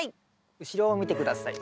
後ろを見て下さい。